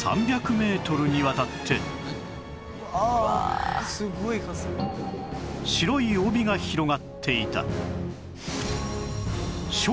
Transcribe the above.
「うわあ」「すごい数」白い帯が広がっていた